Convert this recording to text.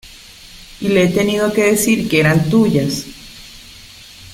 y le he tenido que decir que eran tuyas.